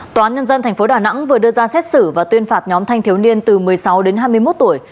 tòa án nhân dân tp đà nẵng vừa đưa ra xét xử và tuyên phạt nhóm thanh thiếu niên từ một mươi sáu đến hai mươi một tuổi